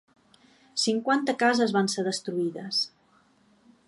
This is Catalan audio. Cinquanta cases van ser destruïdes.